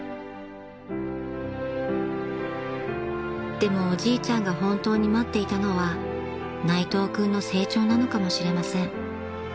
［でもおじいちゃんが本当に待っていたのは内藤君の成長なのかもしれません］